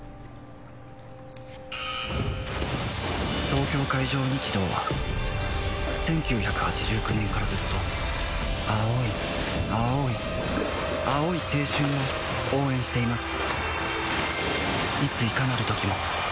東京海上日動は１９８９年からずっと青い青い青い青春を応援しています